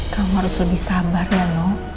kamu harus lebih sabar ya nong